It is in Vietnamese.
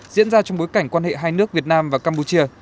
diễn ra trong bối cảnh quan hệ hai nước việt nam và campuchia